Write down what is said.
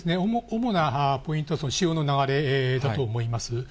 主なポイントは潮の流れだと思います。